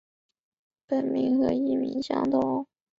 本名和艺名相同。